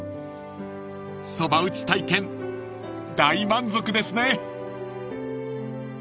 ［そば打ち体験大満足ですね］